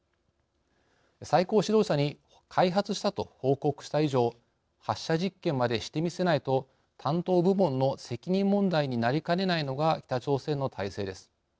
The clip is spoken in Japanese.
最高指導者に開発したと報告した以上発射実験までしてみせないと担当部門の責任問題になりかねないのが北朝鮮の体制です。